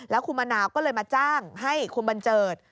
แล้วคุณมะนาวก็เลยมาจ้างให้คุณบันเจิด